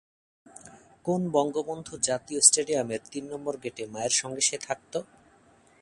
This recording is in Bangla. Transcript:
কোন বঙ্গবন্ধু জাতীয় স্টেডিয়ামের তিন নম্বর গেটে মায়ের সঙ্গে সে থাকত?